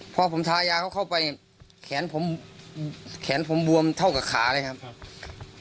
พอผมทายาเขาเข้าไปแขนผมแขนผมบวมเท่ากับขาเลยครับ